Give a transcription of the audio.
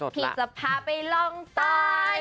พี่จะพาไปลองตาย